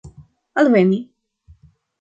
alveni